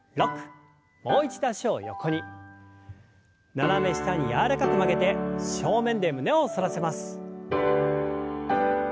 斜め下に柔らかく曲げて正面で胸を反らせます。